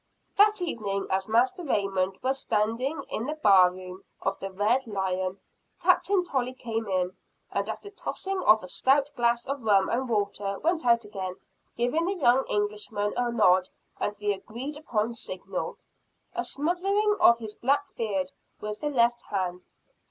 That evening as Master Raymond was standing in the bar room of the Red Lion, Captain Tolley came in, and after tossing off a stout glass of rum and water, went out again, giving the young Englishman a nod and the agreed upon signal, a smoothing of his black beard with the left hand.